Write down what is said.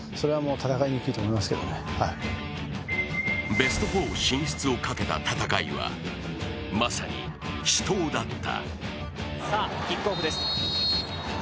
ベスト４進出をかけた戦いはまさに死闘だった。